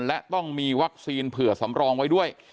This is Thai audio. และต้องมีวัคซีนเผื่อสำรองไว้ด้วย